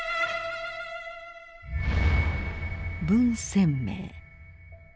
文鮮明。